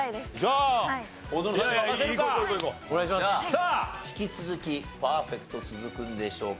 さあ引き続きパーフェクト続くんでしょうか？